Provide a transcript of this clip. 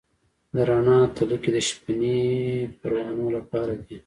د رڼا تلکې د شپنۍ پروانو لپاره دي؟